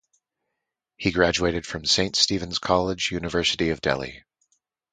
He graduated from Saint Stephens College, University of Delhi.